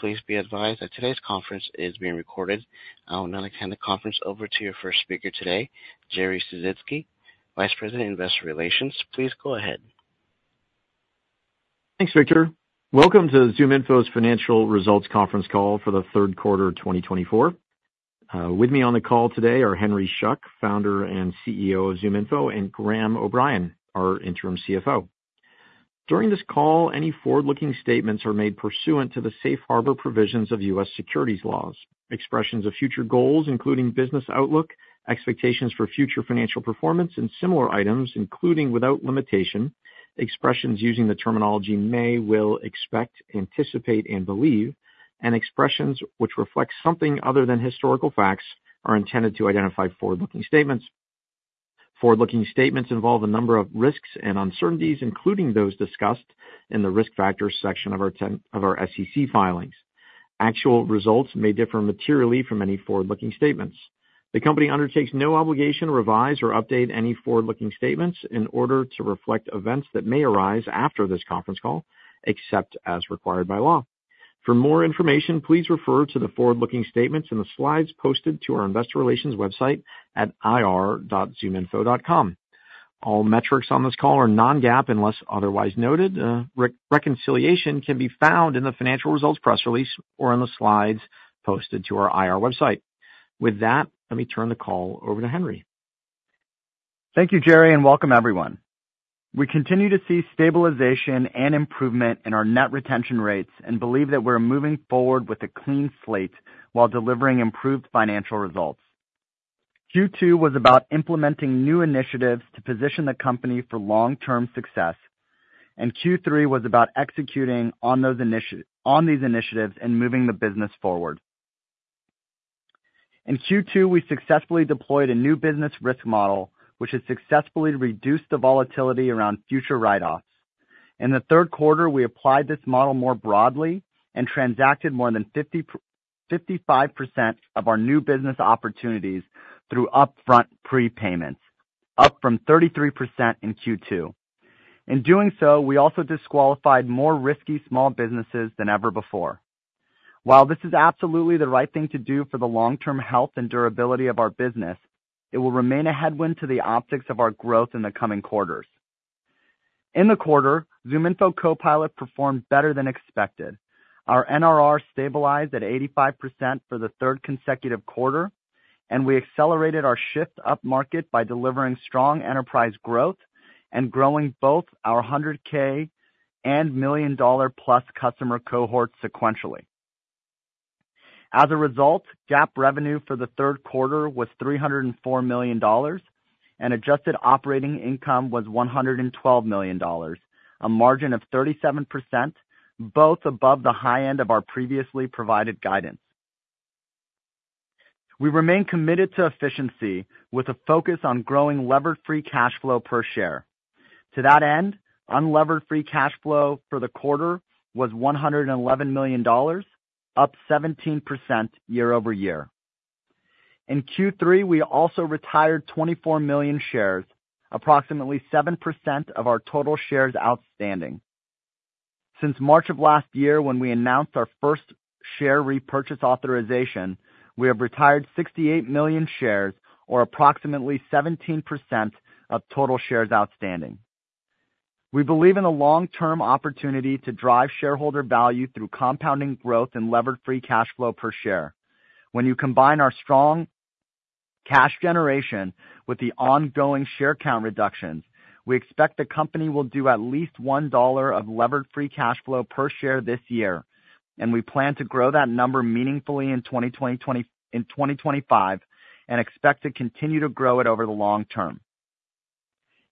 Please be advised that today's conference is being recorded. I will now extend the conference over to your first speaker today, Jerry Sisitsky, Vice President, Investor Relations. Please go ahead. Thanks, Victor. Welcome to ZoomInfo's Financial Results Conference call for the third quarter of 2024. With me on the call today are Henry Schuck, Founder and CEO of ZoomInfo, and Graham O'Brien, our Interim CFO. During this call, any forward-looking statements are made pursuant to the safe harbor provisions of U.S. securities laws. Expressions of future goals, including business outlook, expectations for future financial performance, and similar items, including without limitation, expressions using the terminology may, will, expect, anticipate, and believe, and expressions which reflect something other than historical facts are intended to identify forward-looking statements. Forward-looking statements involve a number of risks and uncertainties, including those discussed in the risk factors section of our SEC filings. Actual results may differ materially from any forward-looking statements. The company undertakes no obligation to revise or update any forward-looking statements in order to reflect events that may arise after this conference call, except as required by law. For more information, please refer to the forward-looking statements and the slides posted to our Investor Relations website at ir.zoominfo.com. All metrics on this call are non-GAAP unless otherwise noted. Reconciliation can be found in the financial results press release or in the slides posted to our IR website. With that, let me turn the call over to Henry. Thank you, Jerry, and welcome, everyone. We continue to see stabilization and improvement in our net retention rates and believe that we're moving forward with a clean slate while delivering improved financial results. Q2 was about implementing new initiatives to position the company for long-term success, and Q3 was about executing on these initiatives and moving the business forward. In Q2, we successfully deployed a new business risk model, which has successfully reduced the volatility around future write-offs. In the third quarter, we applied this model more broadly and transacted more than 55% of our new business opportunities through upfront prepayments, up from 33% in Q2. In doing so, we also disqualified more risky small businesses than ever before. While this is absolutely the right thing to do for the long-term health and durability of our business, it will remain a headwind to the optics of our growth in the coming quarters. In the quarter, ZoomInfo Copilot performed better than expected. Our NRR stabilized at 85% for the third consecutive quarter, and we accelerated our shift-up market by delivering strong enterprise growth and growing both our 100K and million-dollar-plus customer cohort sequentially. As a result, GAAP revenue for the third quarter was $304 million, and adjusted operating income was $112 million, a margin of 37%, both above the high end of our previously provided guidance. We remain committed to efficiency with a focus on growing levered free cash flow per share. To that end, unlevered free cash flow for the quarter was $111 million, up 17% year-over-year. In Q3, we also retired 24 million shares, approximately 7% of our total shares outstanding. Since March of last year, when we announced our first share repurchase authorization, we have retired 68 million shares, or approximately 17% of total shares outstanding. We believe in a long-term opportunity to drive shareholder value through compounding growth and levered-free cash flow per share. When you combine our strong cash generation with the ongoing share count reductions, we expect the company will do at least $1 of levered-free cash flow per share this year, and we plan to grow that number meaningfully in 2025 and expect to continue to grow it over the long term.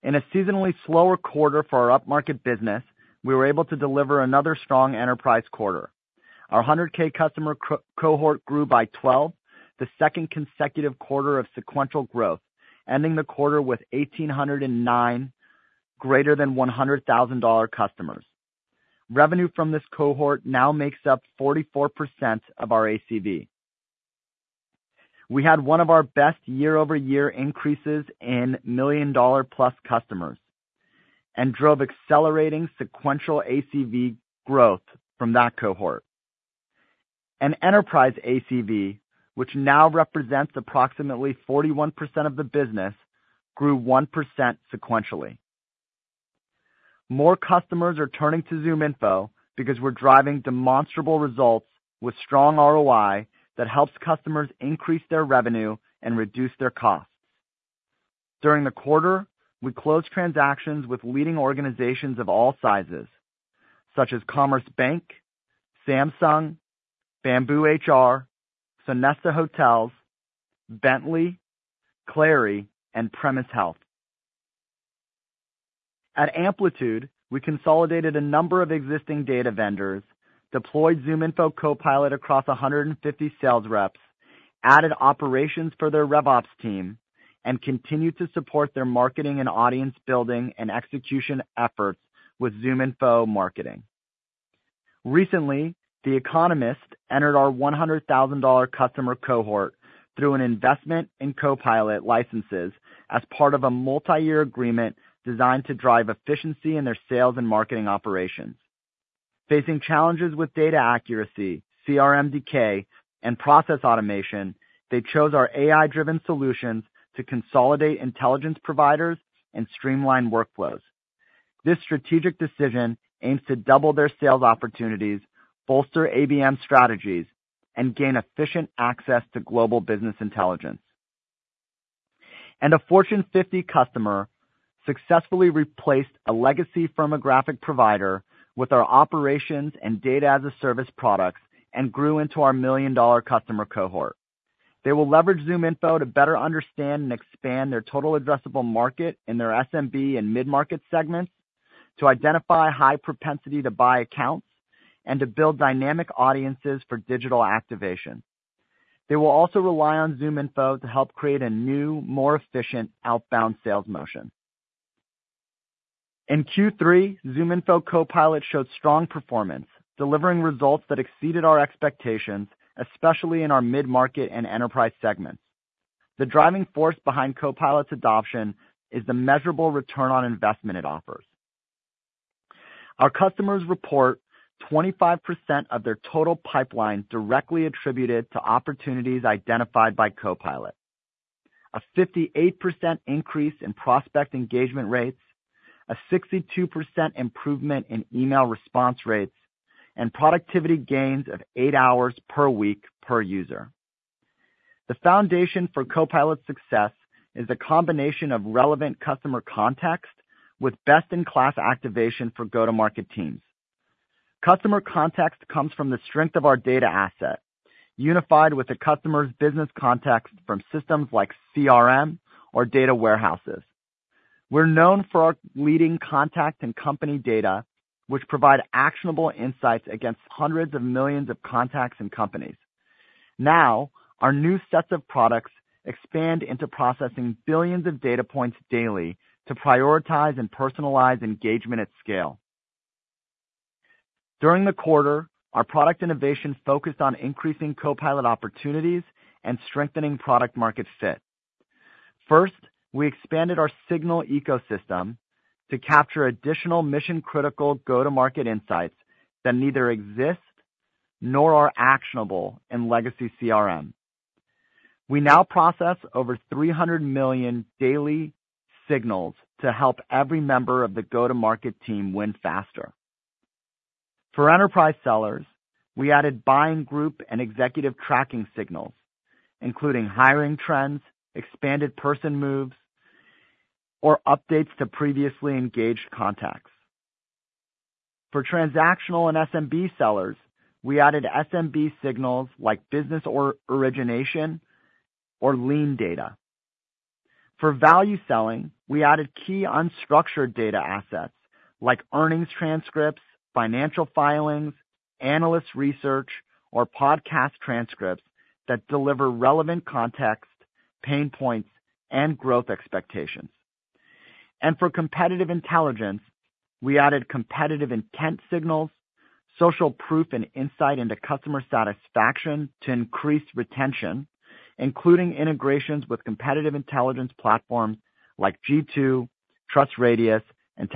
In a seasonally slower quarter for our upmarket business, we were able to deliver another strong enterprise quarter. Our 100K customer cohort grew by 12, the second consecutive quarter of sequential growth, ending the quarter with 1,809 greater than $100,000 customers. Revenue from this cohort now makes up 44% of our ACV. We had one of our best year-over-year increases in million-dollar-plus customers and drove accelerating sequential ACV growth from that cohort. And enterprise ACV, which now represents approximately 41% of the business, grew 1% sequentially. More customers are turning to ZoomInfo because we're driving demonstrable results with strong ROI that helps customers increase their revenue and reduce their costs. During the quarter, we closed transactions with leading organizations of all sizes, such as Commerce Bank, Samsung, BambooHR, Sonesta Hotels, Bentley, Clari, and Premise Health. At Amplitude, we consolidated a number of existing data vendors, deployed ZoomInfo Copilot across 150 sales reps, added operations for their RevOps team, and continued to support their marketing and audience building and execution efforts with ZoomInfo Marketing. Recently, The Economist entered our $100,000 customer cohort through an investment in Copilot licenses as part of a multi-year agreement designed to drive efficiency in their sales and marketing operations. Facing challenges with data accuracy, CRM decay, and process automation, they chose our AI-driven solutions to consolidate intelligence providers and streamline workflows. This strategic decision aims to double their sales opportunities, bolster ABM strategies, and gain efficient access to global business intelligence. And a Fortune 50 customer successfully replaced a legacy firmographic provider with our operations and data-as-a-service products and grew into our million-dollar customer cohort. They will leverage ZoomInfo to better understand and expand their total addressable market in their SMB and mid-market segments, to identify high-propensity-to-buy accounts, and to build dynamic audiences for digital activation. They will also rely on ZoomInfo to help create a new, more efficient outbound sales motion. In Q3, ZoomInfo Copilot showed strong performance, delivering results that exceeded our expectations, especially in our mid-market and enterprise segments. The driving force behind Copilot's adoption is the measurable return on investment it offers. Our customers report 25% of their total pipeline directly attributed to opportunities identified by Copilot, a 58% increase in prospect engagement rates, a 62% improvement in email response rates, and productivity gains of eight hours per week per user. The foundation for Copilot's success is a combination of relevant customer context with best-in-class activation for go-to-market teams. Customer context comes from the strength of our data asset, unified with the customer's business context from systems like CRM or data warehouses. We're known for our leading contact and company data, which provide actionable insights against hundreds of millions of contacts and companies. Now, our new sets of products expand into processing billions of data points daily to prioritize and personalize engagement at scale. During the quarter, our product innovation focused on increasing Copilot opportunities and strengthening product-market fit. First, we expanded our Signal Ecosystem to capture additional mission-critical go-to-market insights that neither exist nor are actionable in legacy CRM. We now process over 300 million daily signals to help every member of the go-to-market team win faster. For enterprise sellers, we added buying group and executive tracking signals, including hiring trends, expanded person moves, or updates to previously engaged contacts. For transactional and SMB sellers, we added SMB signals like business origination or lien data. For value selling, we added key unstructured data assets like earnings transcripts, financial filings, analyst research, or podcast transcripts that deliver relevant context, pain points, and growth expectations. And for competitive intelligence, we added competitive intent signals, social proof, and insight into customer satisfaction to increase retention, including integrations with competitive intelligence platforms like G2, TrustRadius, and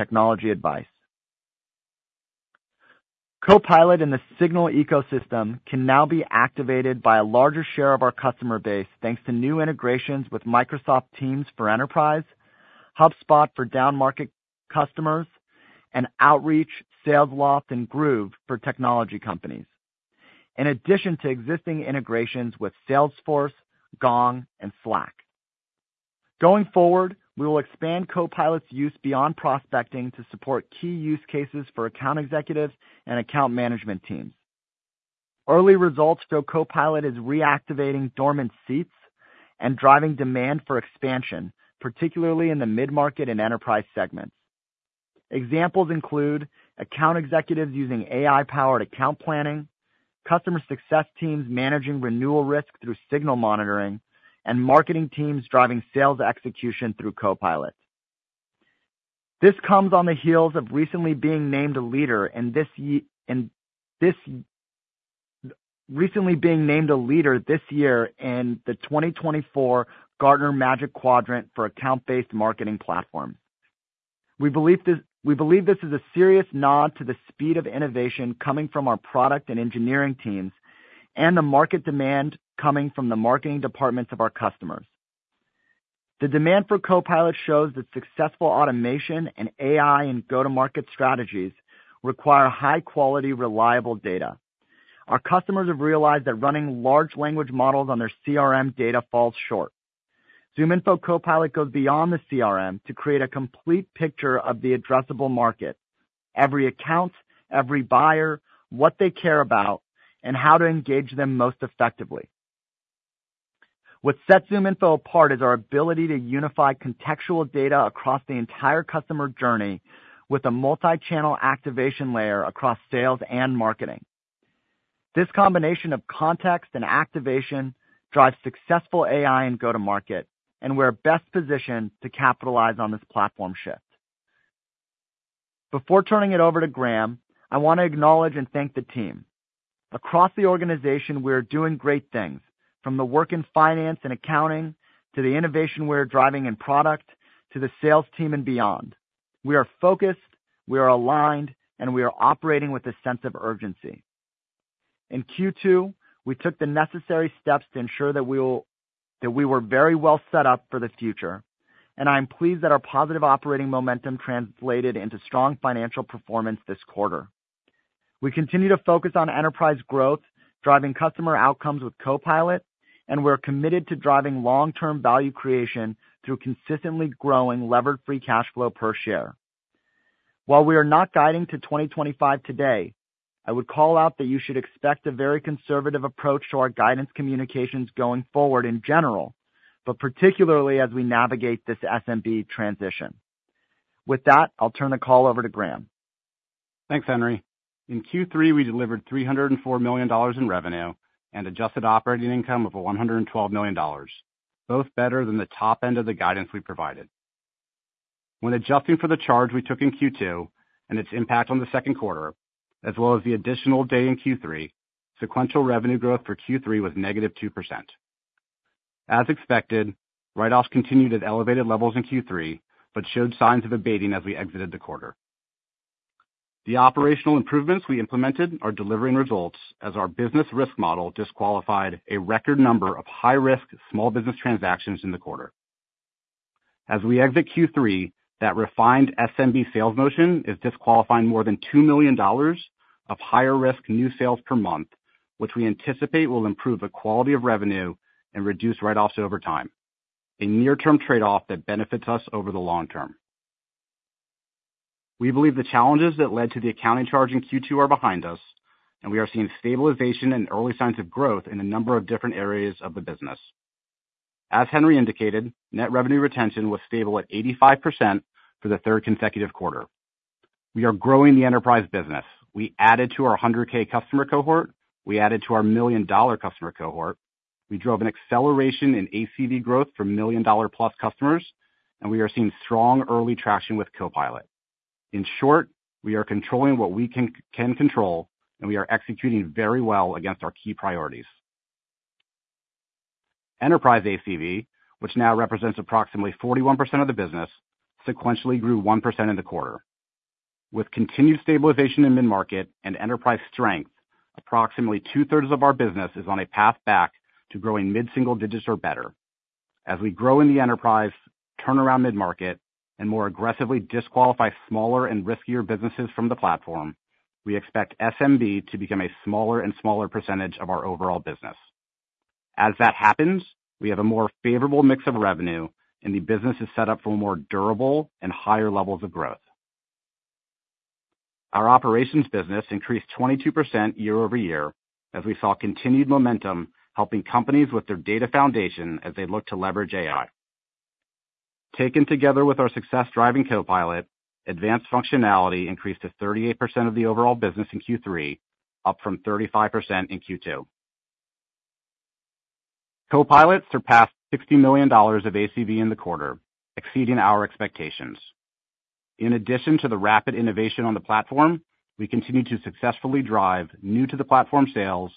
TechnologyAdvice. Copilot in the Signal Ecosystem can now be activated by a larger share of our customer base thanks to new integrations with Microsoft Teams for Enterprise, HubSpot for down-market customers, and Outreach, Salesloft, and Groove for technology companies, in addition to existing integrations with Salesforce, Gong, and Slack. Going forward, we will expand Copilot's use beyond prospecting to support key use cases for account executives and account management teams. Early results show Copilot is reactivating dormant seats and driving demand for expansion, particularly in the mid-market and enterprise segments. Examples include account executives using AI-powered account planning, customer success teams managing renewal risk through Signal monitoring, and marketing teams driving sales execution through Copilot. This comes on the heels of recently being named a leader this year in the 2024 Gartner Magic Quadrant for account-based marketing platforms. We believe this is a serious nod to the speed of innovation coming from our product and engineering teams and the market demand coming from the marketing departments of our customers. The demand for Copilot shows that successful automation and AI and go-to-market strategies require high-quality, reliable data. Our customers have realized that running large language models on their CRM data falls short. ZoomInfo Copilot goes beyond the CRM to create a complete picture of the addressable market: every account, every buyer, what they care about, and how to engage them most effectively. What sets ZoomInfo apart is our ability to unify contextual data across the entire customer journey with a multi-channel activation layer across sales and marketing. This combination of context and activation drives successful AI and go-to-market, and we're best positioned to capitalize on this platform shift. Before turning it over to Graham, I want to acknowledge and thank the team. Across the organization, we are doing great things, from the work in finance and accounting to the innovation we are driving in product to the sales team and beyond. We are focused, we are aligned, and we are operating with a sense of urgency. In Q2, we took the necessary steps to ensure that we were very well set up for the future, and I am pleased that our positive operating momentum translated into strong financial performance this quarter. We continue to focus on enterprise growth, driving customer outcomes with Copilot, and we're committed to driving long-term value creation through consistently growing levered free cash flow per share. While we are not guiding to 2025 today, I would call out that you should expect a very conservative approach to our guidance communications going forward in general, but particularly as we navigate this SMB transition. With that, I'll turn the call over to Graham. Thanks, Henry. In Q3, we delivered $304 million in revenue and adjusted operating income of $112 million, both better than the top end of the guidance we provided. When adjusting for the charge we took in Q2 and its impact on the second quarter, as well as the additional day in Q3, sequential revenue growth for Q3 was -2%. As expected, write-offs continued at elevated levels in Q3 but showed signs of abating as we exited the quarter. The operational improvements we implemented are delivering results as our business risk model disqualified a record number of high-risk small business transactions in the quarter. As we exit Q3, that refined SMB sales motion is disqualifying more than $2 million of higher-risk new sales per month, which we anticipate will improve the quality of revenue and reduce write-offs over time, a near-term trade-off that benefits us over the long term. We believe the challenges that led to the accounting charge in Q2 are behind us, and we are seeing stabilization and early signs of growth in a number of different areas of the business. As Henry indicated, net revenue retention was stable at 85% for the third consecutive quarter. We are growing the enterprise business. We added to our 100K customer cohort, we added to our million-dollar customer cohort, we drove an acceleration in ACV growth for million-dollar-plus customers, and we are seeing strong early traction with Copilot. In short, we are controlling what we can control, and we are executing very well against our key priorities. Enterprise ACV, which now represents approximately 41% of the business, sequentially grew 1% in the quarter. With continued stabilization in mid-market and enterprise strength, approximately two-thirds of our business is on a path back to growing mid-single digits or better. As we grow in the enterprise, turn around mid-market, and more aggressively disqualify smaller and riskier businesses from the platform, we expect SMB to become a smaller and smaller percentage of our overall business. As that happens, we have a more favorable mix of revenue, and the business is set up for more durable and higher levels of growth. Our operations business increased 22% year-over-year as we saw continued momentum helping companies with their data foundation as they look to leverage AI. Taken together with our success-driving Copilot, advanced functionality increased to 38% of the overall business in Q3, up from 35% in Q2. Copilot surpassed $60 million of ACV in the quarter, exceeding our expectations. In addition to the rapid innovation on the platform, we continue to successfully drive new-to-the-platform sales,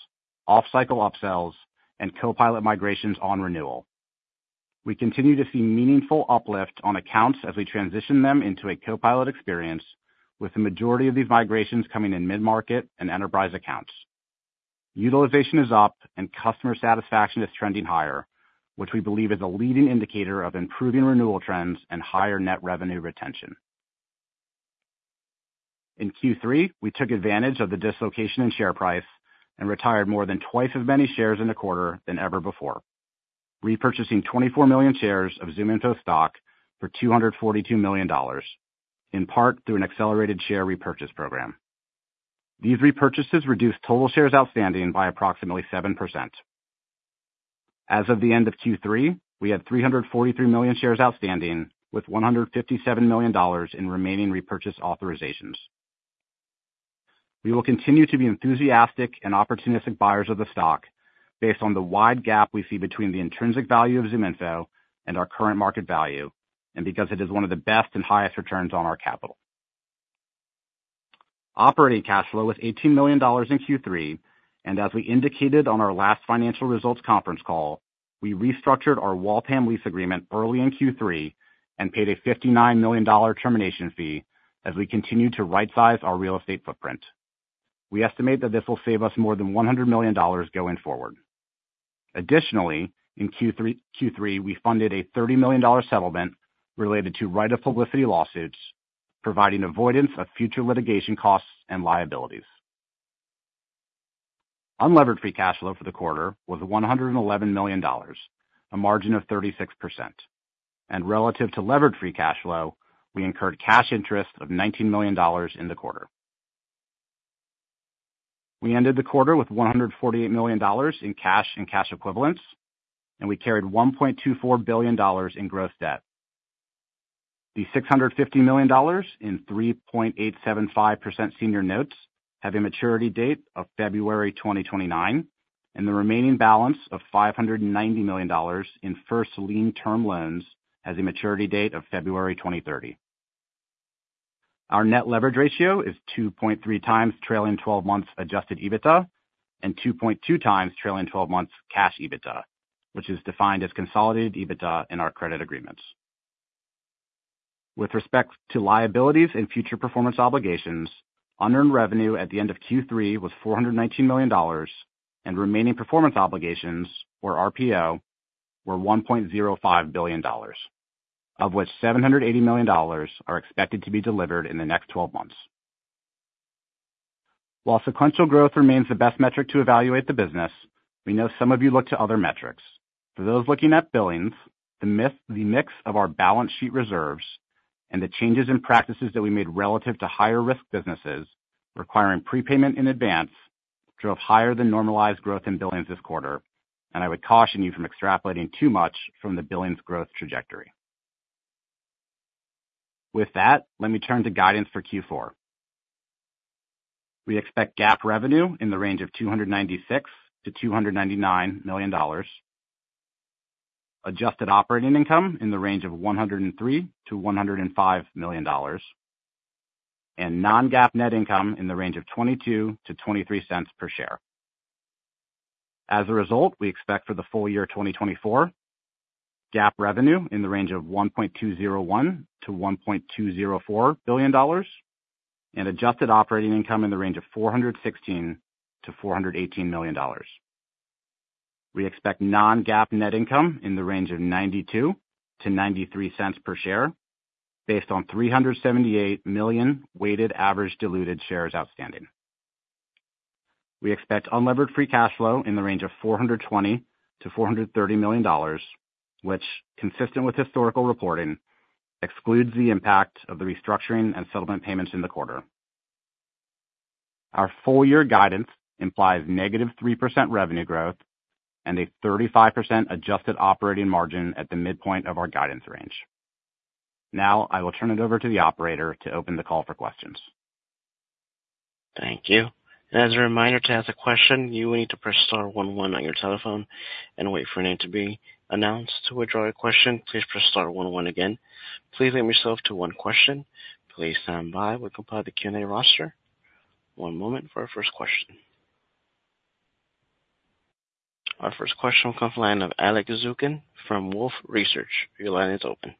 off-cycle upsells, and Copilot migrations on renewal. We continue to see meaningful uplift on accounts as we transition them into a Copilot experience, with the majority of these migrations coming in mid-market and enterprise accounts. Utilization is up, and customer satisfaction is trending higher, which we believe is a leading indicator of improving renewal trends and higher net revenue retention. In Q3, we took advantage of the dislocation in share price and retired more than twice as many shares in the quarter than ever before, repurchasing 24 million shares of ZoomInfo stock for $242 million, in part through an accelerated share repurchase program. These repurchases reduced total shares outstanding by approximately 7%. As of the end of Q3, we had 343 million shares outstanding with $157 million in remaining repurchase authorizations. We will continue to be enthusiastic and opportunistic buyers of the stock based on the wide gap we see between the intrinsic value of ZoomInfo and our current market value, and because it is one of the best and highest returns on our capital. Operating cash flow was $18 million in Q3, and as we indicated on our last financial results conference call, we restructured our Waltham lease agreement early in Q3 and paid a $59 million termination fee as we continued to right-size our real estate footprint. We estimate that this will save us more than $100 million going forward. Additionally, in Q3, we funded a $30 million settlement related to write-off publicity lawsuits, providing avoidance of future litigation costs and liabilities. Unlevered free cash flow for the quarter was $111 million, a margin of 36%. Relative to levered free cash flow, we incurred cash interest of $19 million in the quarter. We ended the quarter with $148 million in cash and cash equivalents, and we carried $1.24 billion in gross debt. The $650 million in 3.875% senior notes have a maturity date of February 2029, and the remaining balance of $590 million in first lien term loans has a maturity date of February 2030. Our net leverage ratio is 2.3x trailing 12 months adjusted EBITDA and 2.2x trailing 12 months cash EBITDA, which is defined as consolidated EBITDA in our credit agreements. With respect to liabilities and future performance obligations, unearned revenue at the end of Q3 was $419 million, and remaining performance obligations, or RPO, were $1.05 billion, of which $780 million are expected to be delivered in the next 12 months. While sequential growth remains the best metric to evaluate the business, we know some of you look to other metrics. For those looking at billings, the mix of our balance sheet reserves and the changes in practices that we made relative to higher-risk businesses requiring prepayment in advance drove higher than normalized growth in billings this quarter, and I would caution you from extrapolating too much from the billings growth trajectory. With that, let me turn to guidance for Q4. We expect GAAP revenue in the range of $296 million-$299 million, adjusted operating income in the range of $103 million-$105 million, and non-GAAP net income in the range of $0.22-$0.23 per share. As a result, we expect for the full year 2024, GAAP revenue in the range of $1.201 billion-$1.204 billion, and adjusted operating income in the range of $416 million-$418 million. We expect non-GAAP net income in the range of $0.92-$0.93 per share based on 378 million weighted average diluted shares outstanding. We expect unlevered free cash flow in the range of $420 million-$430 million, which, consistent with historical reporting, excludes the impact of the restructuring and settlement payments in the quarter. Our full-year guidance implies -3% revenue growth and a 35% adjusted operating margin at the midpoint of our guidance range. Now, I will turn it over to the operator to open the call for questions. Thank you. As a reminder to ask a question, you will need to press star one one on your telephone and wait for a name to be announced. To withdraw your question, please press star one one again. Please limit yourself to one question. Please stand by. We'll compile the Q&A roster. One moment for our first question. Our first question will come from the line of Alex Zukin from Wolfe Research. Your line is open.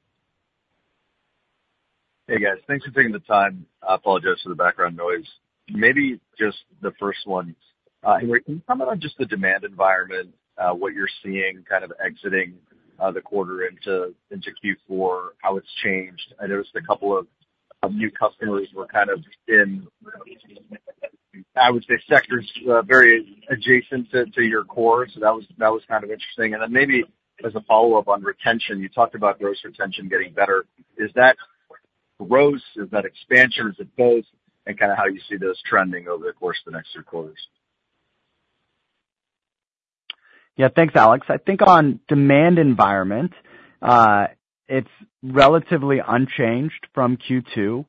Hey, guys. Thanks for taking the time. I apologize for the background noise. Maybe just the first one. Henry, can you comment on just the demand environment, what you're seeing kind of exiting the quarter into Q4, how it's changed? I noticed a couple of new customers were kind of in, I would say, sectors very adjacent to your core, so that was kind of interesting. And then maybe as a follow-up on retention, you talked about gross retention getting better. Is that gross? Is that expansion? Is it both? And kind of how you see those trending over the course of the next three quarters? Yeah. Thanks, Alex. I think on demand environment, it's relatively unchanged from Q2.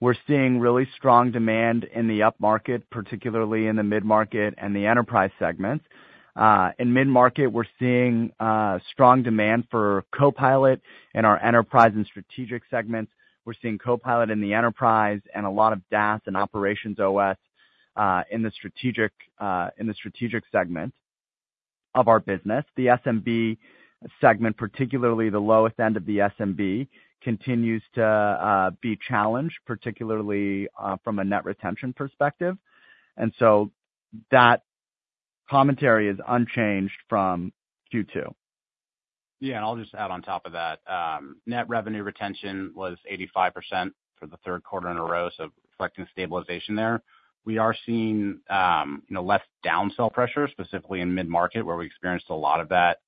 We're seeing really strong demand in the up market, particularly in the mid-market and the enterprise segments. In mid-market, we're seeing strong demand for Copilot in our enterprise and strategic segments. We're seeing Copilot in the enterprise and a lot of DaaS and OperationsOS in the strategic segment of our business. The SMB segment, particularly the lowest end of the SMB, continues to be challenged, particularly from a net retention perspective, and so that commentary is unchanged from Q2. Yeah, and I'll just add on top of that, net revenue retention was 85% for the third quarter in a row, so reflecting stabilization there. We are seeing less downsell pressure, specifically in mid-market, where we experienced a lot of that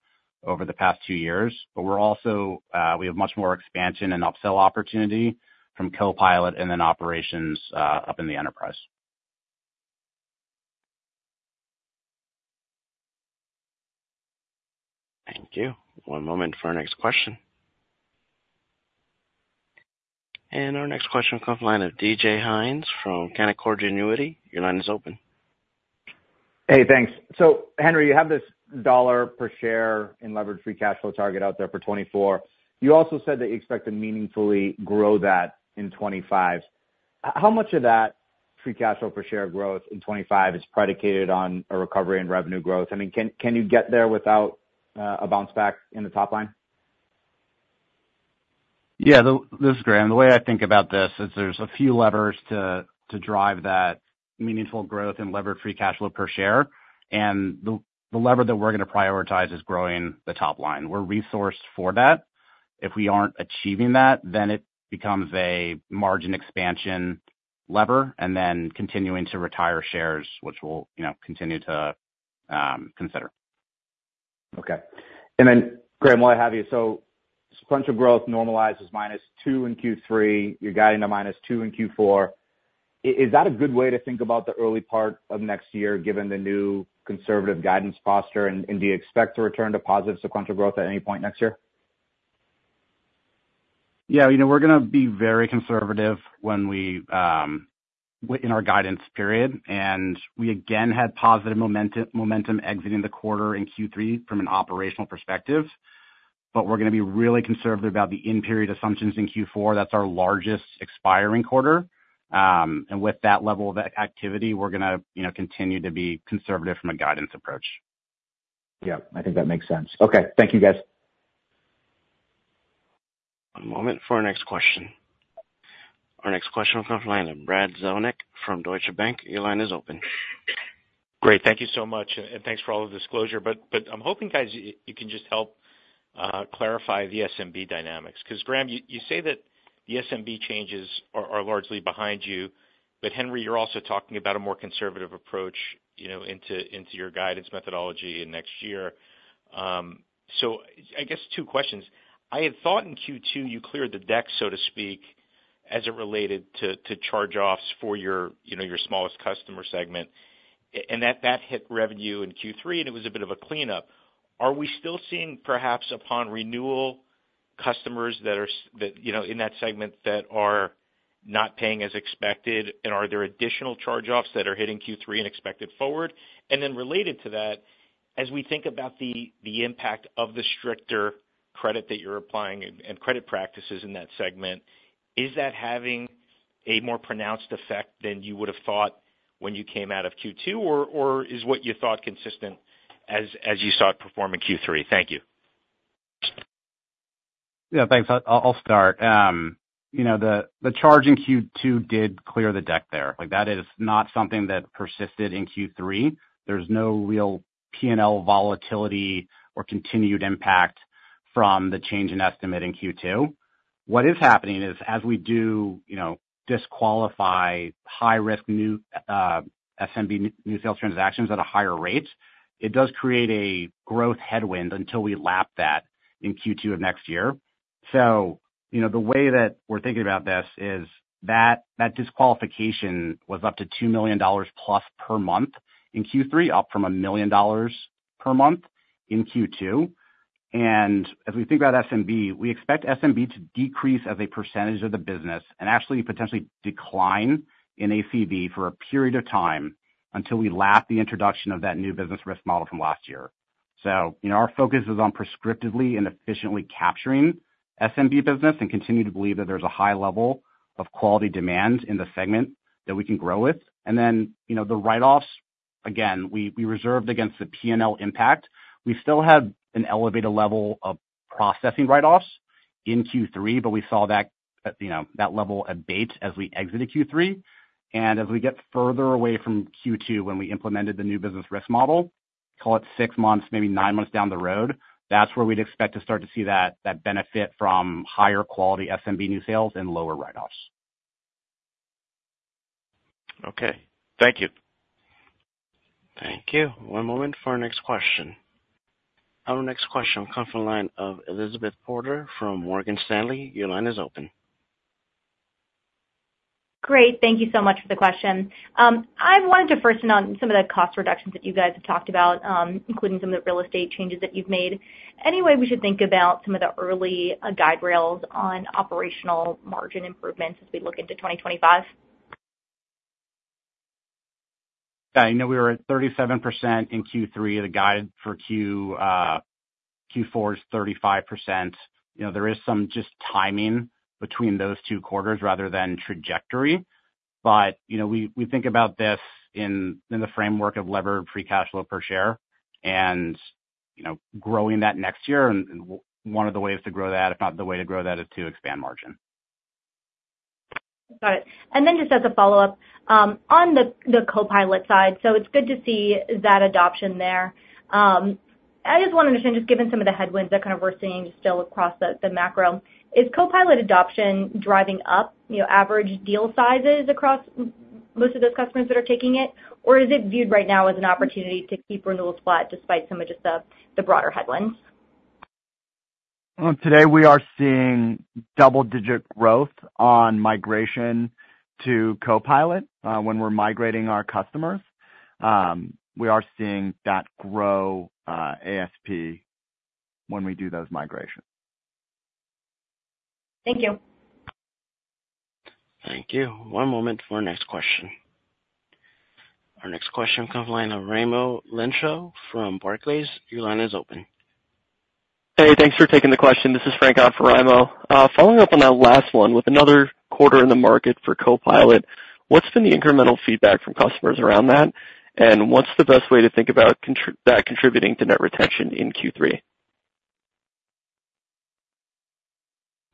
over the past two years, but we have much more expansion and upsell opportunity from Copilot and then OperationsOS in the enterprise. Thank you. One moment for our next question. And our next question will come from the line of DJ Hynes from Canaccord Genuity. Your line is open. Hey, thanks. So Henry, you have this $1 per share in unlevered free cash flow target out there for 2024. You also said that you expect to meaningfully grow that in 2025. How much of that free cash flow per share growth in 2025 is predicated on a recovery in revenue growth? I mean, can you get there without a bounce back in the top line? Yeah. This is Graham. The way I think about this is there's a few levers to drive that meaningful growth in unlevered free cash flow per share. And the lever that we're going to prioritize is growing the top line. We're resourced for that. If we aren't achieving that, then it becomes a margin expansion lever and then continuing to retire shares, which we'll continue to consider. Okay. And then, Graham, while I have you, so sequential growth normalizes minus two in Q3. You're guiding to minus two in Q4. Is that a good way to think about the early part of next year, given the new conservative guidance posture? And do you expect to return to positive sequential growth at any point next year? Yeah. We're going to be very conservative in our guidance period. And we, again, had positive momentum exiting the quarter in Q3 from an operational perspective. But we're going to be really conservative about the end period assumptions in Q4. That's our largest expiring quarter. And with that level of activity, we're going to continue to be conservative from a guidance approach. Yeah. I think that makes sense. Okay. Thank you, guys. One moment for our next question. Our next question will come from the line of Brad Zelnick from Deutsche Bank. Your line is open. Great. Thank you so much. And thanks for all the disclosure. But I'm hoping, guys, you can just help clarify the SMB dynamics. Because, Graham, you say that the SMB changes are largely behind you. But Henry, you're also talking about a more conservative approach into your guidance methodology in next year. So I guess two questions. I had thought in Q2 you cleared the deck, so to speak, as it related to charge-offs for your smallest customer segment. And that hit revenue in Q3, and it was a bit of a cleanup. Are we still seeing, perhaps upon renewal, customers that are in that segment that are not paying as expected? Are there additional charge-offs that are hitting Q3 and expected forward? And then related to that, as we think about the impact of the stricter credit that you're applying and credit practices in that segment, is that having a more pronounced effect than you would have thought when you came out of Q2? Or is what you thought consistent as you saw it perform in Q3? Thank you. Yeah. Thanks. I'll start. The charge in Q2 did clear the deck there. That is not something that persisted in Q3. There's no real P&L volatility or continued impact from the change in estimate in Q2. What is happening is, as we do disqualify high-risk new SMB new sales transactions at a higher rate, it does create a growth headwind until we lap that in Q2 of next year. The way that we're thinking about this is that disqualification was up to $2+ million per month in Q3, up from $1 million per month in Q2. As we think about SMB, we expect SMB to decrease as a percentage of the business and actually potentially decline in ACV for a period of time until we lap the introduction of that new business risk model from last year. Our focus is on prescriptively and efficiently capturing SMB business and continue to believe that there's a high level of quality demand in the segment that we can grow with. The write-offs, again, we reserved against the P&L impact. We still have an elevated level of processing write-offs in Q3, but we saw that level abate as we exited Q3. As we get further away from Q2 when we implemented the new business risk model, call it six months, maybe nine months down the road, that's where we'd expect to start to see that benefit from higher quality SMB new sales and lower write-offs. Okay. Thank you. Thank you. One moment for our next question. Our next question will come from the line of Elizabeth Porter from Morgan Stanley. Your line is open. Great. Thank you so much for the question. I wanted to first ask about some of the cost reductions that you guys have talked about, including some of the real estate changes that you've made. Any way we should think about some of the early guide rails on operational margin improvements as we look into 2025? Yeah. We were at 37% in Q3. The guide for Q4 is 35%. There is some just timing between those two quarters rather than trajectory. But we think about this in the framework of levered free cash flow per share and growing that next year. And one of the ways to grow that, if not the way to grow that, is to expand margin. Got it. And then just as a follow-up, on the Copilot side, so it's good to see that adoption there. I just want to understand, just given some of the headwinds that kind of we're seeing still across the macro, is Copilot adoption driving up average deal sizes across most of those customers that are taking it? Or is it viewed right now as an opportunity to keep renewals flat despite some of just the broader headwinds? Today, we are seeing double-digit growth on migration to Copilot when we're migrating our customers. We are seeing that grow ASP when we do those migrations. Thank you. Thank you. One moment for our next question. Our next question comes from the line of Raimo Lenschow from Barclays. Your line is open. Hey, thanks for taking the question. This is Frank on for Raimo. Following up on that last one with another quarter in the market for Copilot, what's been the incremental feedback from customers around that? And what's the best way to think about that contributing to net retention in Q3?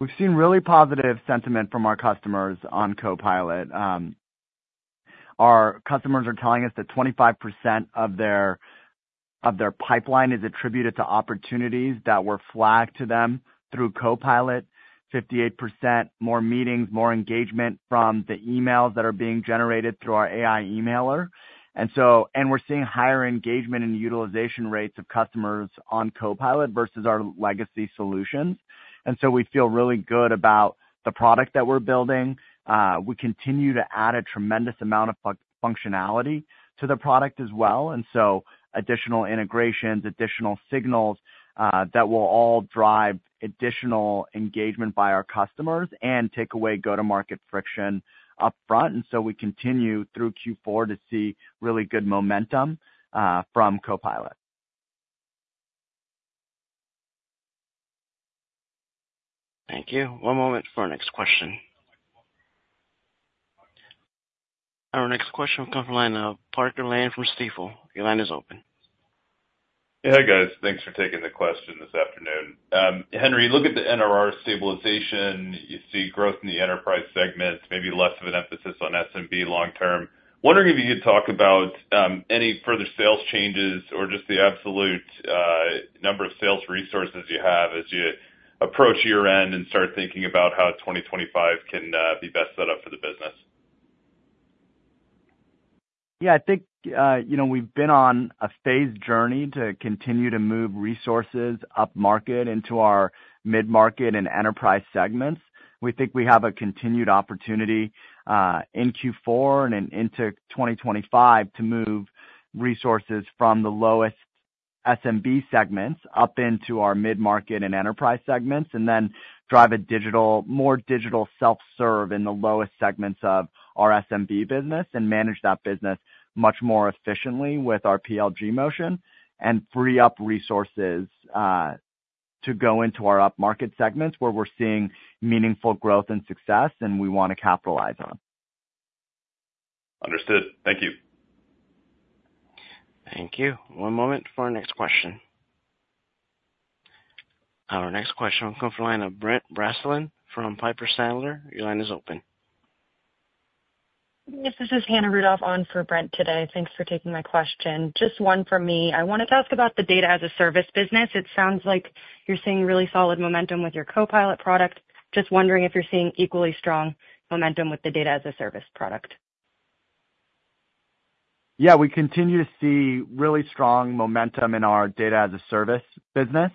We've seen really positive sentiment from our customers on Copilot. Our customers are telling us that 25% of their pipeline is attributed to opportunities that were flagged to them through Copilot, 58% more meetings, more engagement from the emails that are being generated through our AI emailer. And we're seeing higher engagement and utilization rates of customers on Copilot versus our legacy solutions. And so we feel really good about the product that we're building. We continue to add a tremendous amount of functionality to the product as well. And so additional integrations, additional signals that will all drive additional engagement by our customers and take away go-to-market friction upfront. And so we continue through Q4 to see really good momentum from Copilot. Thank you. One moment for our next question. Our next question will come from the line of Parker Lane from Stifel. Your line is open. Hey, guys. Thanks for taking the question this afternoon. Henry, you look at the NRR stabilization. You see growth in the enterprise segment, maybe less of an emphasis on SMB long-term. Wondering if you could talk about any further sales changes or just the absolute number of sales resources you have as you approach year-end and start thinking about how 2025 can be best set up for the business? Yeah. I think we've been on a phased journey to continue to move resources up-market into our mid-market and enterprise segments. We think we have a continued opportunity in Q4 and into 2025 to move resources from the lowest SMB segments up into our mid-market and enterprise segments and then drive a more digital self-serve in the lowest segments of our SMB business and manage that business much more efficiently with our PLG motion and free up resources to go into our up-market segments where we're seeing meaningful growth and success, and we want to capitalize on. Understood. Thank you. Thank you. One moment for our next question. Our next question will come from the line of Brent Bracelin from Piper Sandler. Your line is open. Hey, guys. This is Hannah Rudoff on for Brent today. Thanks for taking my question. Just one from me. I wanted to ask about the Data-as-a-Service business. It sounds like you're seeing really solid momentum with your Copilot product. Just wondering if you're seeing equally strong momentum with the Data-as-a-Service product. Yeah. We continue to see really strong momentum in our Data-as-a-Service business.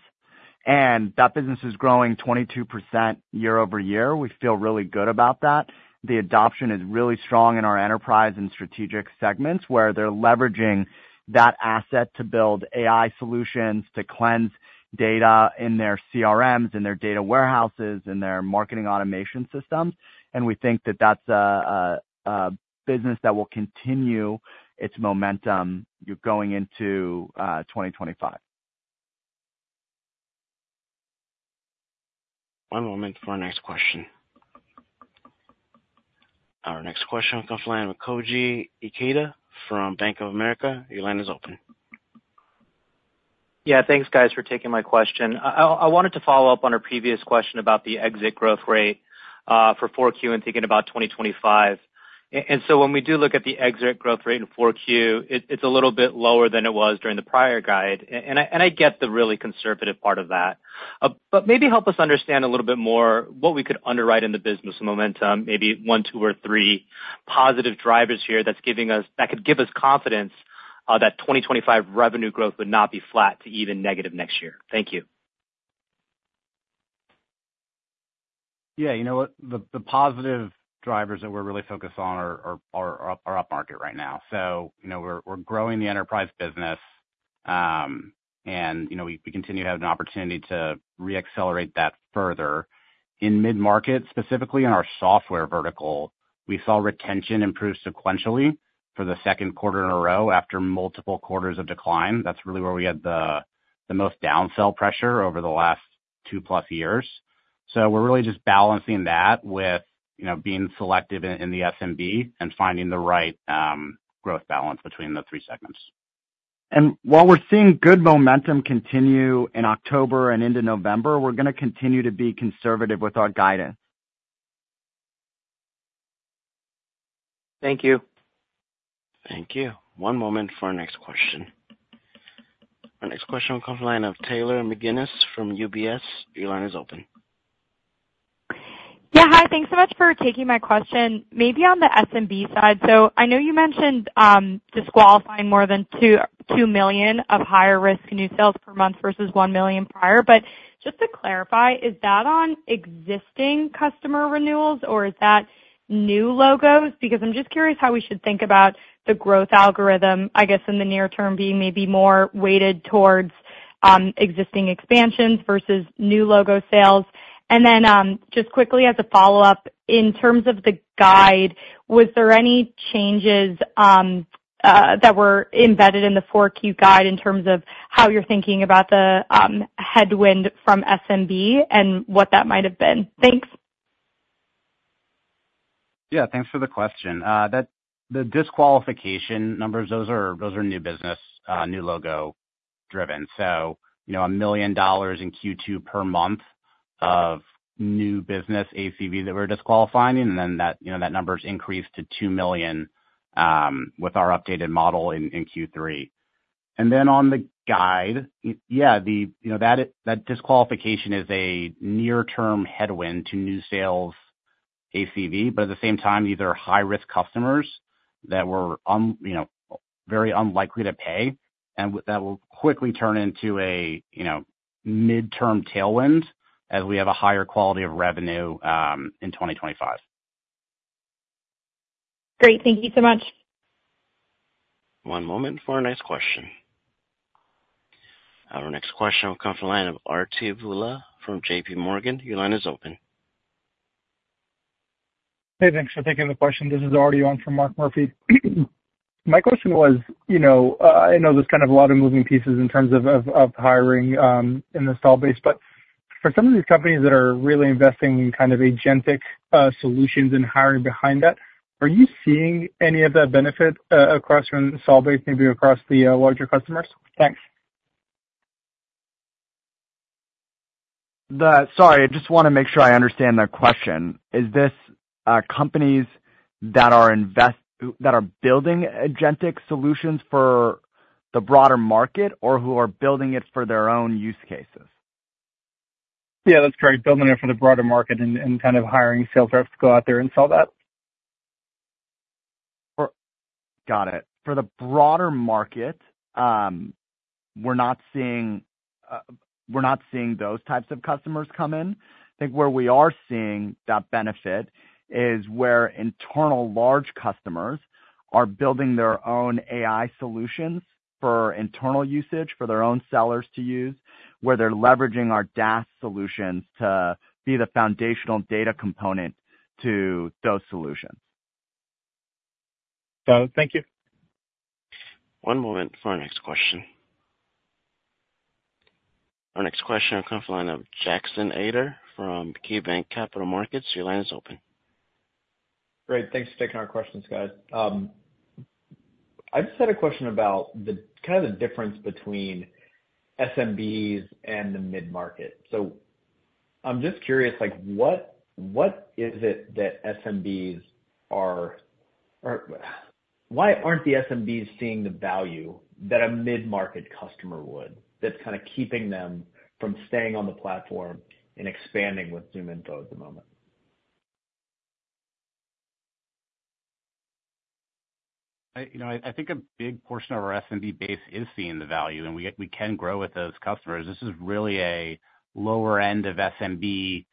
And that business is growing 22% year-over-year. We feel really good about that. The adoption is really strong in our Enterprise and strategic segments where they're leveraging that asset to build AI solutions to cleanse data in their CRMs and their data warehouses and their marketing automation systems. And we think that that's a business that will continue its momentum going into 2025. One moment for our next question. Our next question will come from the line of Koji Ikeda from Bank of America. Your line is open. Yeah. Thanks, guys, for taking my question. I wanted to follow up on our previous question about the exit growth rate for 4Q and thinking about 2025. And so when we do look at the exit growth rate in 4Q, it's a little bit lower than it was during the prior guide. And I get the really conservative part of that. But maybe help us understand a little bit more what we could underwrite in the business momentum, maybe one, two, or three positive drivers here that could give us confidence that 2025 revenue growth would not be flat to even negative next year. Thank you. Yeah. You know what? The positive drivers that we're really focused on are up market right now. So we're growing the enterprise business, and we continue to have an opportunity to re-accelerate that further. In mid-market, specifically in our software vertical, we saw retention improve sequentially for the second quarter in a row after multiple quarters of decline. That's really where we had the most downsell pressure over the last 2+ years. So we're really just balancing that with being selective in the SMB and finding the right growth balance between the three segments. And while we're seeing good momentum continue in October and into November, we're going to continue to be conservative with our guidance. Thank you. Thank you. One moment for our next question. Our next question will come from the line of Taylor McGinnis from UBS. Your line is open. Yeah. Hi. Thanks so much for taking my question. Maybe on the SMB side. So I know you mentioned disqualifying more than 2 million of higher-risk new sales per month versus 1 million prior. But just to clarify, is that on existing customer renewals, or is that new logos? Because I'm just curious how we should think about the growth algorithm, I guess, in the near term being maybe more weighted towards existing expansions versus new logo sales. And then just quickly as a follow-up, in terms of the guide, was there any changes that were embedded in the 4Q guide in terms of how you're thinking about the headwind from SMB and what that might have been? Thanks. Yeah. Thanks for the question. The disqualification numbers, those are new business, new logo driven. So $1 million in Q2 per month of new business ACV that we're disqualifying, and then that number's increased to 2 million with our updated model in Q3. And then on the guide, yeah, that disqualification is a near-term headwind to new sales ACV, but at the same time, these are high-risk customers that are very unlikely to pay, and that will quickly turn into a mid-term tailwind as we have a higher quality of revenue in 2025. Great. Thank you so much. One moment for our next question. Our next question will come from the line of Arti Vula from JPMorgan. Your line is open. Hey, thanks for taking the question. This is Arti from Mark Murphy. My question was, I know there's kind of a lot of moving pieces in terms of hiring in the sales base, but for some of these companies that are really investing in kind of agentic solutions and hiring behind that, are you seeing any of that benefit across your sales base, maybe across the larger customers? Thanks. Sorry. I just want to make sure I understand the question. Is this companies that are building agentic solutions for the broader market or who are building it for their own use cases? Yeah. That's correct. Building it for the broader market and kind of hiring sales reps to go out there and sell that. Got it. For the broader market, we're not seeing those types of customers come in. I think where we are seeing that benefit is where internal large customers are building their own AI solutions for internal usage for their own sellers to use, where they're leveraging our DaaS solutions to be the foundational data component to those solutions. Got it. Thank you. One moment for our next question. Our next question will come from the line of Jackson Ader from KeyBanc Capital Markets. Your line is open. Great. Thanks for taking our questions, guys. I just had a question about kind of the difference between SMBs and the mid-market. So I'm just curious, what is it that SMBs are, why aren't the SMBs seeing the value that a mid-market customer would, that's kind of keeping them from staying on the platform and expanding with ZoomInfo at the moment? I think a big portion of our SMB base is seeing the value, and we can grow with those customers. This is really a lower-end of SMB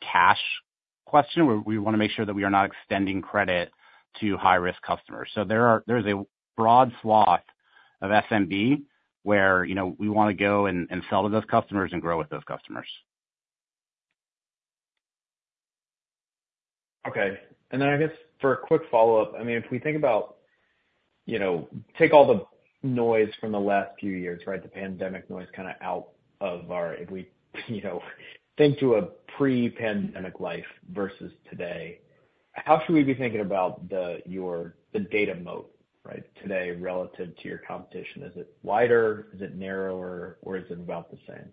cash question where we want to make sure that we are not extending credit to high-risk customers. So there is a broad swath of SMB where we want to go and sell to those customers and grow with those customers. Okay. And then I guess for a quick follow-up, I mean, if we think about, take all the noise from the last few years, right, the pandemic noise kind of out of our hair, if we think to a pre-pandemic life versus today, how should we be thinking about your data moat, right, today relative to your competition? Is it wider? Is it narrower? Or is it about the same?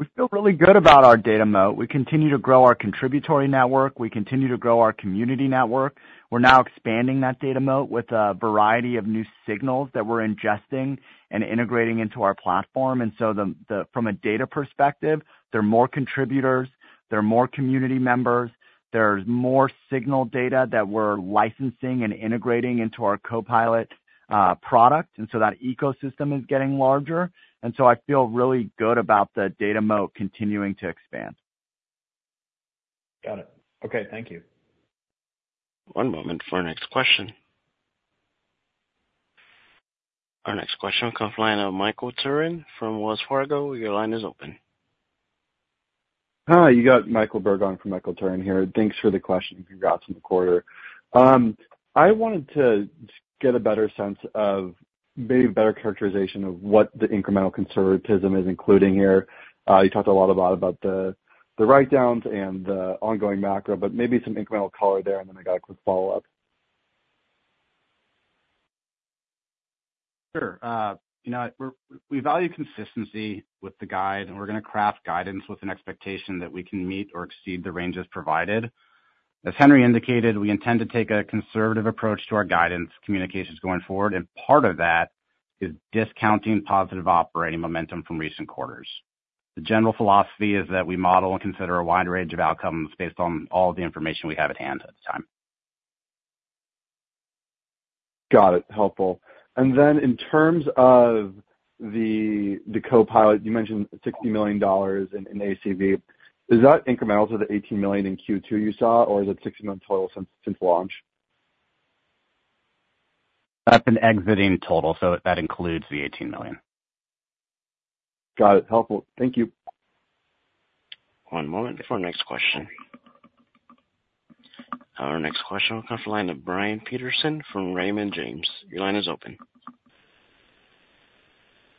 We feel really good about our data moat. We continue to grow our contributory network. We continue to grow our community network. We're now expanding that data moat with a variety of new signals that we're ingesting and integrating into our platform. And so from a data perspective, there are more contributors. There are more community members. There's more signal data that we're licensing and integrating into our Copilot product. And so that ecosystem is getting larger. And so I feel really good about the data moat continuing to expand. Got it. Okay. Thank you. One moment for our next question. Our next question will come from the line of Michael Turrin from Wells Fargo. Your line is open. Hi. You got Michael Berg on from Michael Turrin here. Thanks for the question. Congrats on the quarter. I wanted to get a better sense of maybe a better characterization of what the incremental conservatism is including here. You talked a lot about the write-downs and the ongoing macro, but maybe some incremental color there, and then I got a quick follow-up. Sure. We value consistency with the guide, and we're going to craft guidance with an expectation that we can meet or exceed the ranges provided. As Henry indicated, we intend to take a conservative approach to our guidance communications going forward, and part of that is discounting positive operating momentum from recent quarters. The general philosophy is that we model and consider a wide range of outcomes based on all the information we have at hand at the time. Got it. Helpful. And then in terms of the Copilot, you mentioned $60 million in ACV. Is that incremental to the $18 million in Q2 you saw, or is it $60 million total since launch? That's an exciting total, so that includes the $18 million. Got it. Helpful. Thank you. One moment for our next question. Our next question will come from the line of Brian Peterson from Raymond James. Your line is open.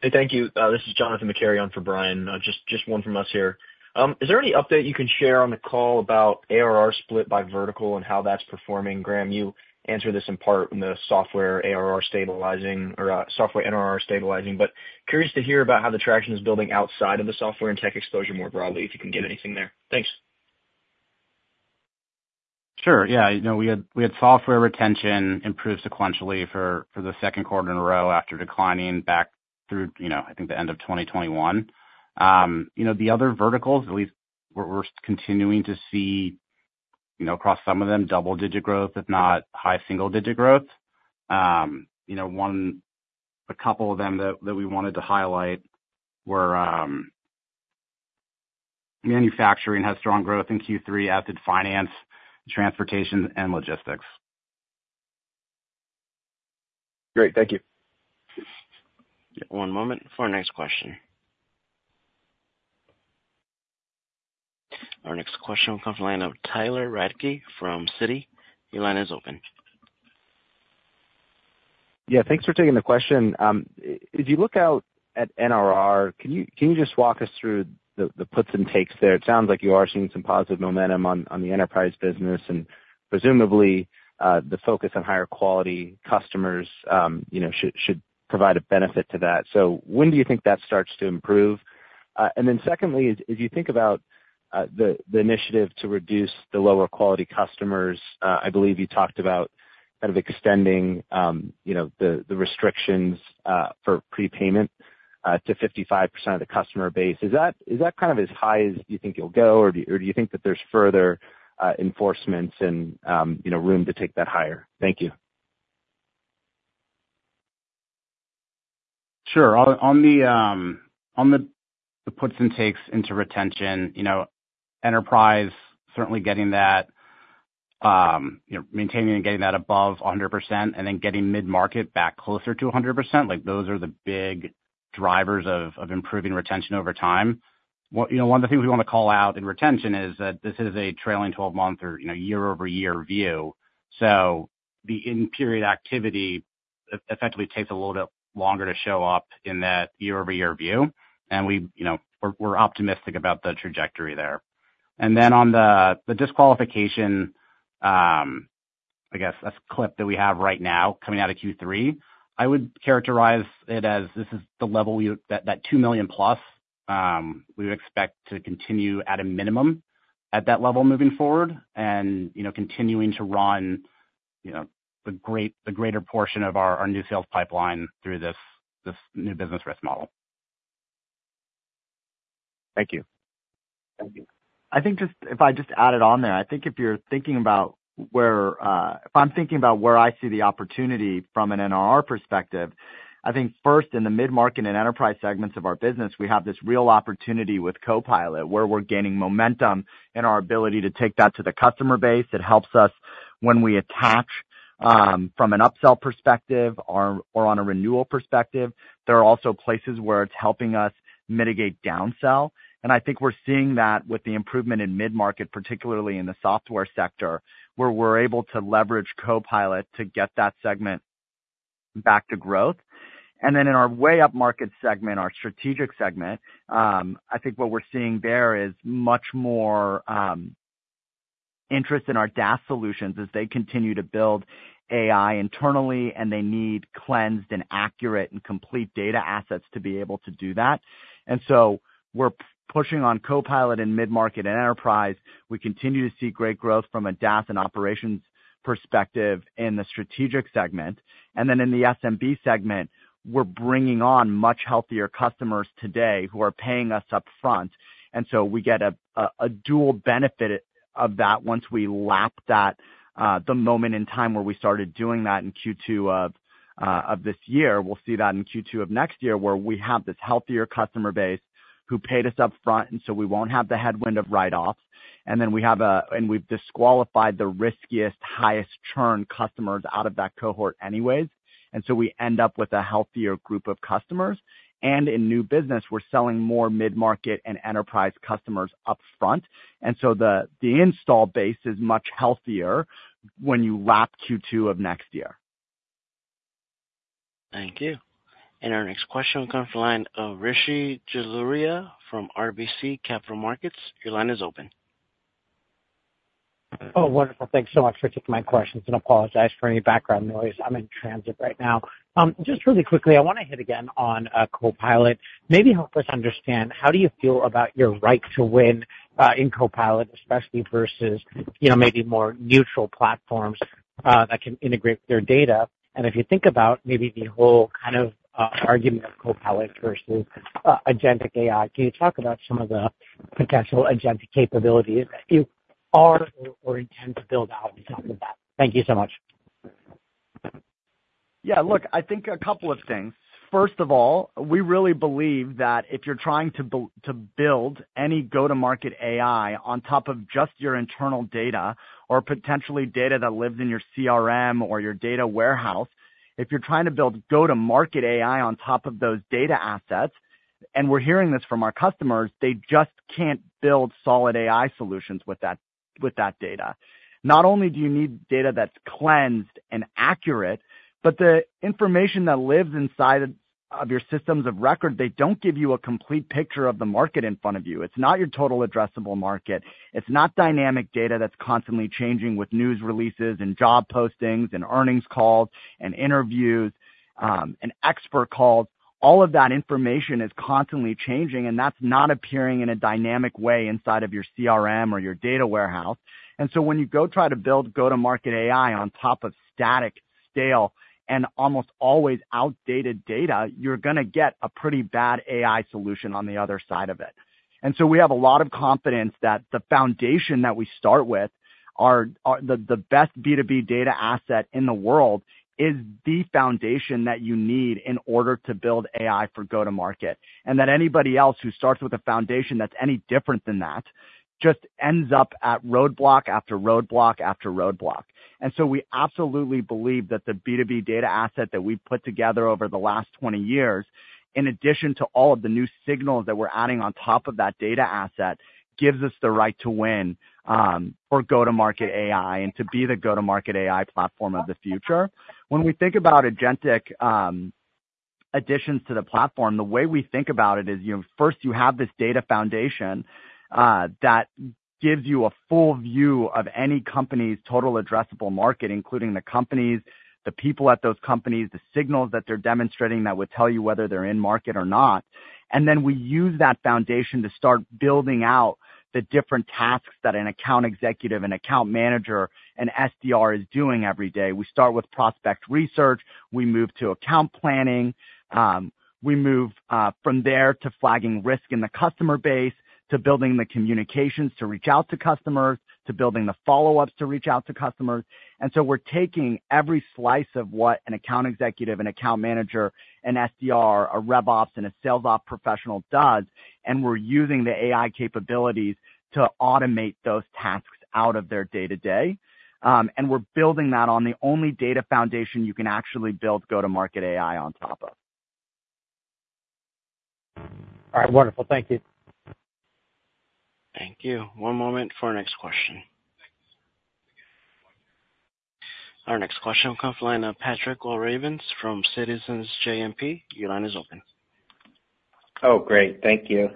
Hey, thank you. This is Jonathan McCary on for Brian. Just one from us here. Is there any update you can share on the call about ARR split by vertical and how that's performing? Graham, you answered this in part in the software ARR stabilizing or software NRR stabilizing, but curious to hear about how the traction is building outside of the software and tech exposure more broadly, if you can get anything there. Thanks. Sure. Yeah. We had software retention improve sequentially for the second quarter in a row after declining back through, I think, the end of 2021. The other verticals, at least, we're continuing to see across some of them double-digit growth, if not high single-digit growth. A couple of them that we wanted to highlight were manufacturing has strong growth in Q3, added finance, transportation, and logistics. Great. Thank you. One moment for our next question. Our next question will come from the line of Tyler Radke from Citi. Your line is open. Yeah. Thanks for taking the question. If you look out at NRR, can you just walk us through the puts and takes there? It sounds like you are seeing some positive momentum on the enterprise business, and presumably, the focus on higher quality customers should provide a benefit to that. So when do you think that starts to improve? And then secondly, as you think about the initiative to reduce the lower quality customers, I believe you talked about kind of extending the restrictions for prepayment to 55% of the customer base. Is that kind of as high as you think it'll go, or do you think that there's further enforcements and room to take that higher? Thank you. Sure. On the puts and takes into retention, enterprise certainly getting that, maintaining and getting that above 100%, and then getting mid-market back closer to 100%, those are the big drivers of improving retention over time. One of the things we want to call out in retention is that this is a trailing 12-month or year-over-year view. So the in-period activity effectively takes a little bit longer to show up in that year-over-year view, and we're optimistic about the trajectory there. And then on the disqualification, I guess, clip that we have right now coming out of Q3, I would characterize it as this is the level that $2+ million we would expect to continue at a minimum at that level moving forward and continuing to run the greater portion of our new sales pipeline through this new business risk model. Thank you. I think if I just added on there, I think if you're thinking about where I see the opportunity from an NRR perspective, I think first, in the mid-market and enterprise segments of our business, we have this real opportunity with Copilot where we're gaining momentum in our ability to take that to the customer base. It helps us when we attach from an upsell perspective or on a renewal perspective. There are also places where it's helping us mitigate downsell. And I think we're seeing that with the improvement in mid-market, particularly in the software sector, where we're able to leverage Copilot to get that segment back to growth. Then in our upmarket market segment, our strategic segment, I think what we're seeing there is much more interest in our DaaS solutions as they continue to build AI internally, and they need cleansed and accurate and complete data assets to be able to do that. So we're pushing on Copilot in mid-market and enterprise. We continue to see great growth from a DaaS and operations perspective in the strategic segment. Then in the SMB segment, we're bringing on much healthier customers today who are paying us upfront. So we get a dual benefit of that once we lap that, the moment in time where we started doing that in Q2 of this year. We'll see that in Q2 of next year where we have this healthier customer base who paid us upfront, and so we won't have the headwind of write-offs. And then we have, and we've disqualified the riskiest, highest churn customers out of that cohort anyways. And so we end up with a healthier group of customers. And in new business, we're selling more mid-market and enterprise customers upfront. And so the install base is much healthier when you lap Q2 of next year. Thank you. And our next question will come from the line of Rishi Jaluria from RBC Capital Markets. Your line is open. Oh, wonderful. Thanks so much for taking my questions. And I apologize for any background noise. I'm in transit right now. Just really quickly, I want to hit again on Copilot. Maybe help us understand how do you feel about your right to win in Copilot, especially versus maybe more neutral platforms that can integrate their data? And if you think about maybe the whole kind of argument of Copilot versus agentic AI, can you talk about some of the potential agentic capabilities that you are or intend to build out on top of that? Thank you so much. Yeah. Look, I think a couple of things. First of all, we really believe that if you're trying to build any go-to-market AI on top of just your internal data or potentially data that lives in your CRM or your data warehouse, if you're trying to build go-to-market AI on top of those data assets, and we're hearing this from our customers, they just can't build solid AI solutions with that data. Not only do you need data that's cleansed and accurate, but the information that lives inside of your systems of record, they don't give you a complete picture of the market in front of you. It's not your total addressable market. It's not dynamic data that's constantly changing with news releases and job postings and earnings calls and interviews and expert calls. All of that information is constantly changing, and that's not appearing in a dynamic way inside of your CRM or your data warehouse. And so when you go try to build go-to-market AI on top of static, stale, and almost always outdated data, you're going to get a pretty bad AI solution on the other side of it. And so we have a lot of confidence that the foundation that we start with, the best B2B data asset in the world, is the foundation that you need in order to build AI for go-to-market, and that anybody else who starts with a foundation that's any different than that just ends up at roadblock after roadblock after roadblock. And so we absolutely believe that the B2B data asset that we've put together over the last 20 years, in addition to all of the new signals that we're adding on top of that data asset, gives us the right to win for go-to-market AI and to be the go-to-market AI platform of the future. When we think about agentic additions to the platform, the way we think about it is, first, you have this data foundation that gives you a full view of any company's total addressable market, including the companies, the people at those companies, the signals that they're demonstrating that would tell you whether they're in market or not. And then we use that foundation to start building out the different tasks that an account executive, an account manager, an SDR is doing every day. We start with prospect research. We move to account planning. We move from there to flagging risk in the customer base to building the communications to reach out to customers, to building the follow-ups to reach out to customers. And so we're taking every slice of what an account executive, an account manager, an SDR, a RevOps, and a SalesOps professional does, and we're using the AI capabilities to automate those tasks out of their day-to-day. And we're building that on the only data foundation you can actually build go-to-market AI on top of. All right. Wonderful. Thank you. Thank you. One moment for our next question. Our next question will come from the line of Patrick Walravens from Citizens JMP. Your line is open. Oh, great. Thank you.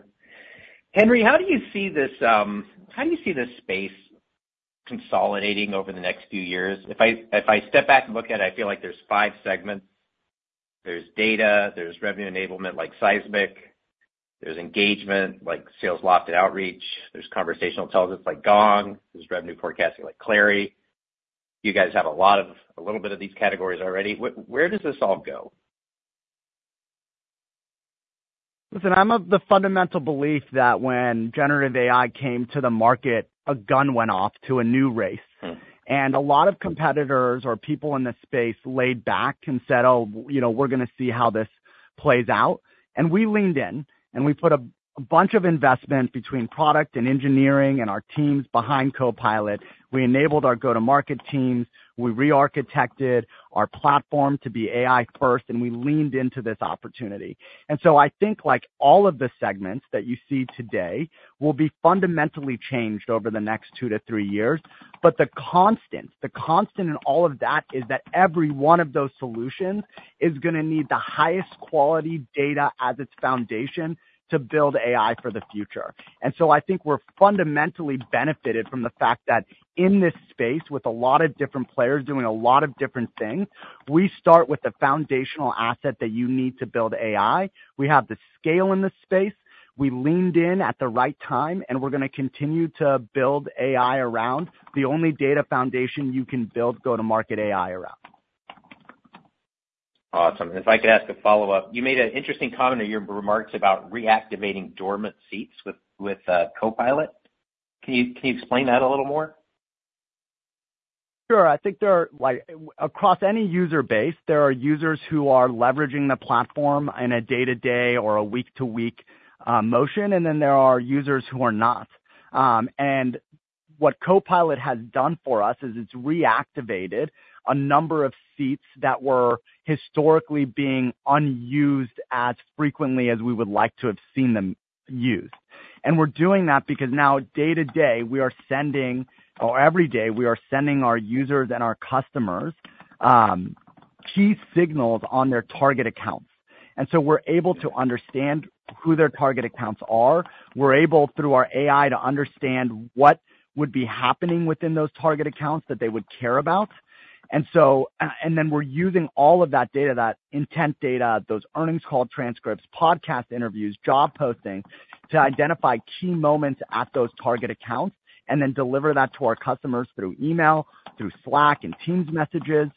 Henry, how do you see this space consolidating over the next few years? If I step back and look at it, I feel like there's five segments. There's data. There's revenue enablement like Seismic. There's engagement like Salesloft and Outreach. There's conversational intelligence like Gong. There's revenue forecasting like Clary. You guys have a little bit of these categories already. Where does this all go? Listen, I'm of the fundamental belief that when generative AI came to the market, a gun went off to a new race. And a lot of competitors or people in the space laid back and said, "Oh, we're going to see how this plays out." And we leaned in, and we put a bunch of investment between product and engineering and our teams behind Copilot. We enabled our go-to-market teams. We re-architected our platform to be AI-first, and we leaned into this opportunity. And so I think all of the segments that you see today will be fundamentally changed over the next two to three years. But the constant in all of that is that every one of those solutions is going to need the highest quality data as its foundation to build AI for the future. And so I think we're fundamentally benefited from the fact that in this space, with a lot of different players doing a lot of different things, we start with the foundational asset that you need to build AI. We have the scale in the space. We leaned in at the right time, and we're going to continue to build AI around the only data foundation you can build go-to-market AI around. Awesome. And if I could ask a follow-up, you made an interesting comment in your remarks about reactivating dormant seats with Copilot. Can you explain that a little more? Sure. I think across any user base, there are users who are leveraging the platform in a day-to-day or a week-to-week motion, and then there are users who are not. And what Copilot has done for us is it's reactivated a number of seats that were historically being unused as frequently as we would like to have seen them used. And we're doing that because now, day-to-day, we are sending or every day, we are sending our users and our customers key signals on their target accounts. And so we're able to understand who their target accounts are. We're able, through our AI, to understand what would be happening within those target accounts that they would care about. And then we're using all of that data, that intent data, those earnings call transcripts, podcast interviews, job postings to identify key moments at those target accounts and then deliver that to our customers through email, through Slack and Teams messages,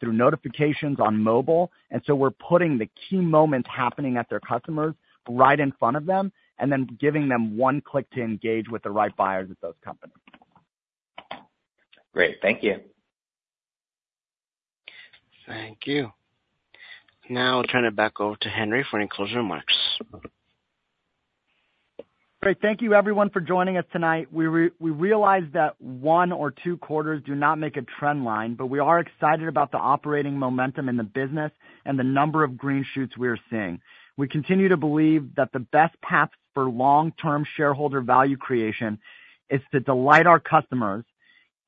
through notifications on mobile. And so we're putting the key moments happening at their customers right in front of them and then giving them one click to engage with the right buyers at those companies. Great. Thank you. Thank you. Now, I'll turn it back over to Henry for any closing remarks. Great. Thank you, everyone, for joining us tonight. We realize that one or two quarters do not make a trend line, but we are excited about the operating momentum in the business and the number of green shoots we are seeing. We continue to believe that the best path for long-term shareholder value creation is to delight our customers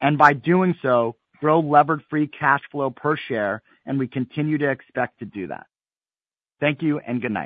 and, by doing so, grow levered free cash flow per share, and we continue to expect to do that. Thank you and good night.